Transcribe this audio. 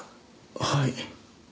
はい。